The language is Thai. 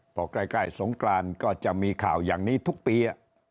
พอใกล้สงกรานก็จะมีข่าวอย่างนี้ทุกปี